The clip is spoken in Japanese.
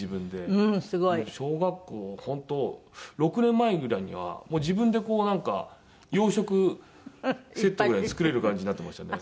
もう小学校の本当６年生前ぐらいにはもう自分でこうなんか洋食セットぐらい作れる感じになってましたね。